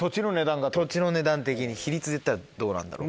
土地の値段的に比率でいったらどうなんだろう。